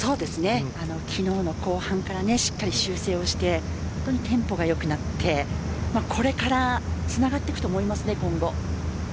昨日の後半からしっかり修正をして本当にテンポが良くなってこれからつながっていくと思います、今後。